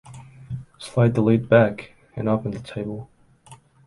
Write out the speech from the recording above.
Slide the lid back and open the table.